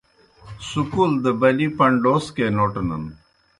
سکول دہ بلِی پنڈوسکے نوٹنَن۔